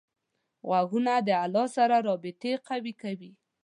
غوږونه له الله سره رابطه قوي کوي